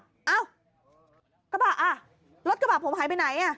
มอเตอร์ไซค์ปั๊บอ้าวรถกระเป๋าผมหายไปไหน